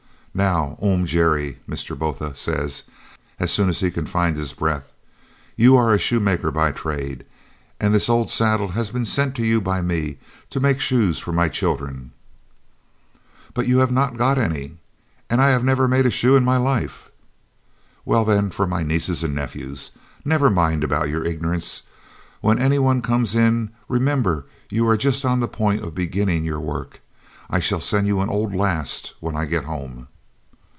"Now, Oom Gerrie," Mr. Botha says, as soon as he can find his breath, "you are a shoemaker by trade, and this old saddle has been sent to you by me to make shoes for my children." "But you have not got any! and I have never made a shoe in my life!" "Well, then, for my nieces and nephews. Never mind about your ignorance. When any one comes in, remember you are just on the point of beginning your work. I shall send you an old last when I get home."